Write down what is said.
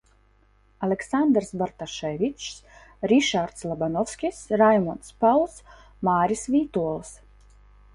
Aleksandrs Bartaševičs, Rišards Labanovskis, Raimonds Pauls, Māris Vītols.